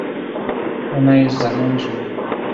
"Ona jest zamężna."